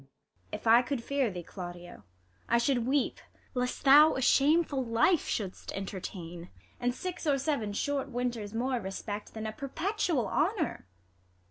If I could fear thee, Claudio, I should weep Lest thou a shameful life shouldst entertain. And six or seven short winters more respect Than a perpetual honour.